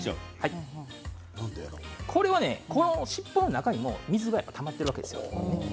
これはね、この尻尾の中にも水がたまっているわけですよ。